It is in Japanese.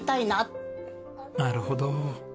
なるほど。